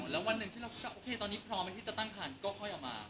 อ๋อแล้ววันหนึ่งที่เราพร้อมที่จะตั้งขันก็ค่อยออกมา